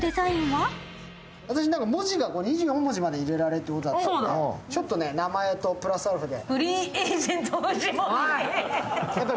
文字が２４文字まで入れられるということなんですけど、ちょっとね、名前とプラスアルファで。